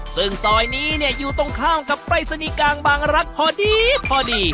ซึ่งซอยนี้เนี่ยอยู่ตรงข้ามกับปรายศนีย์กลางบางรักพอดีพอดี